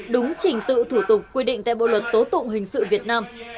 đúng trình tự thủ tục quy định tại bộ luật tố tụng hình sự việt nam